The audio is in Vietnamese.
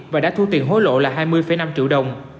và đã thu tiền hối lộ là hai mươi năm triệu đồng